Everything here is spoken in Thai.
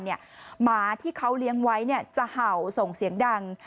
หมาที่เขาเลี้ยงไว้จะเห่าส่งเสียงดัง